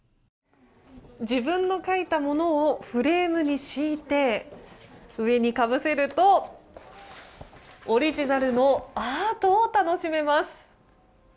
自分の描いたものをフレームに敷いて上にかぶせると、オリジナルのアートを楽しめます。